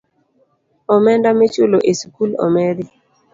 Omenda michulo e sikul omedi